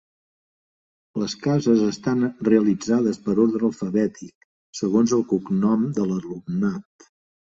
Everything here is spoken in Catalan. Les cases estan realitzades per ordre alfabètic, segons el cognom de l'alumnat.